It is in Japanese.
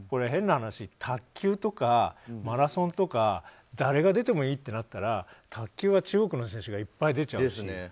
変な話、卓球とかマラソンとか誰が出てもいいってなったら卓球は中国の選手がいっぱい出ちゃうし。